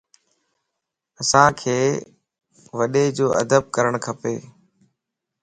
اسانک وڏيءَ جو ادب ڪرڻ کپ